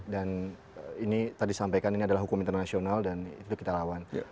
dan ini tadi disampaikan ini adalah hukum internasional dan itu kita lawan